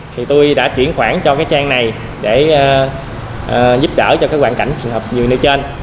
thì tôi đã chuyển khoản cho cái trang này để giúp đỡ cho cái hoàn cảnh trường hợp người nêu trên